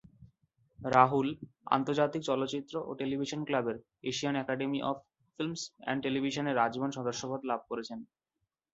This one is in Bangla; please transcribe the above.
রাহুল আন্তর্জাতিক চলচ্চিত্র ও টেলিভিশন ক্লাবের Asian Academy of Film and টেলিভিশনের আজীবন সদস্যপদ লাভ করেছেন।